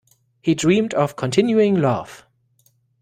He dreamt of continuing love